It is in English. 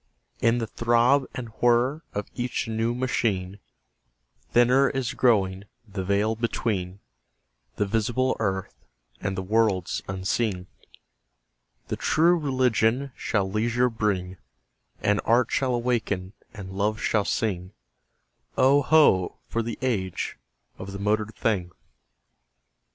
In the throb and whir of each new machine Thinner is growing the veil between The visible earth and the worlds unseen. The True Religion shall leisure bring; And Art shall awaken and Love shall sing: Oh, ho! for the age of the motored thing!